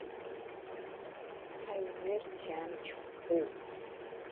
Аинерциа амч ӷәӷәоуп.